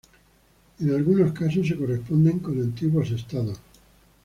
En algunos casos se corresponden con antiguos estados.